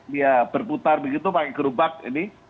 dia berputar begitu pakai gerobak ini